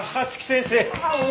先生！